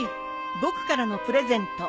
僕からのプレゼント。